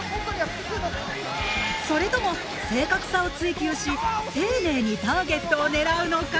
それとも正確さを追求し丁寧にターゲットを狙うのか？